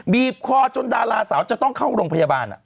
บีบคอจนดาราสาวจะต้องเข้าโรงพยาบาล